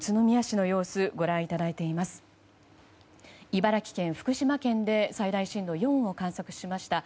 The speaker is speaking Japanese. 茨城県、福島県で最大震度４を観測しました。